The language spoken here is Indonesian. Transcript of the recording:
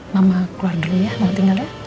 mama keluar dulu ya mau tinggal ya